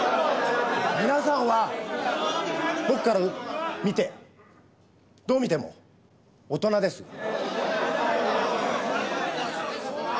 皆さんは僕から見てどう見ても大人です。